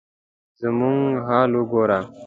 زموږ حال وګوره ؟